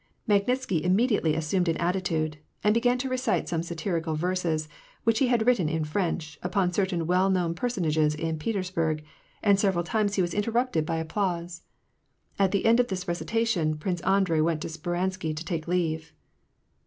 Magnitsky immediately as sumed an attitude, and began to recite some satirical verses which he had written in French upon certain well known f>er sonages in Petersburg, and several times he was interrupted by applause. At the end of this recitation, Prince Andrei went to Speransky to take leave.